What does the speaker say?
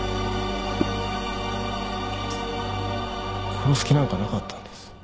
殺す気なんかなかったんです。